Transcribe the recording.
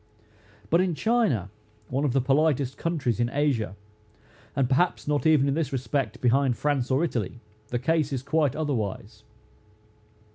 But in China, one of the politest countries in Asia, and perhaps not even, in this respect, behind France, or Italy, the case is quite otherwise.